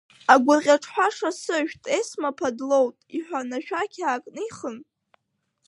Агәырӷьаҿҳәаша сышәҭ Есма ԥа длоут, – иҳәан, ишәақь аакнихын…